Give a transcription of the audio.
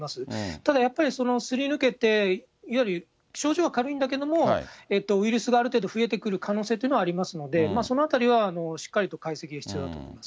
ただやっぱり、すり抜けて、いわゆる症状は軽いんだけども、ウイルスがある程度増えてくる可能性というのはありますので、そのあたりはしっかりと解析は必要だと思います。